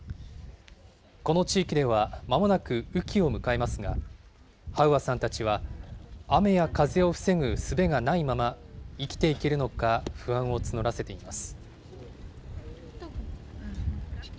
この地域では、まもなく雨期を迎えますが、ハウワさんたちは、雨や風を防ぐすべがないまま生きていけるのか不安を募らせています。